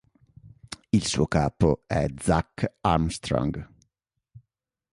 Il suo capo è Zach Armstrong.